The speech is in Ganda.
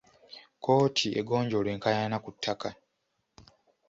Kkooti egonjoola enkaayana ku ttaka.